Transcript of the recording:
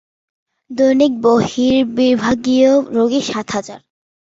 দৈনিক বহির্বিভাগীয় রোগী সাত হাজার।